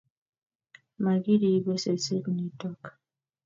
Makiribe seset nitok